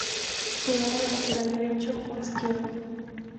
Jugaba de Lateral Derecho o Izquierdo.